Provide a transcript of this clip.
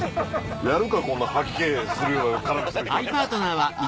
やるかこんな吐き気するような絡みする人に。